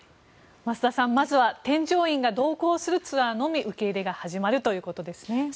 増田さん、まずは添乗員が同行するツアーのみ受け入れが始まるということですね。